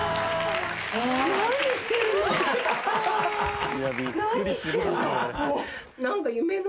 何してるの？